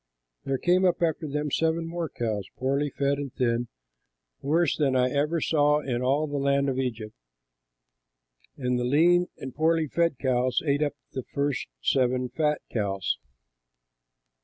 There came up after them seven more cows, poorly fed and thin, worse than I ever saw in all the land of Egypt; and the lean and poorly fed cows ate up the first seven fat cows.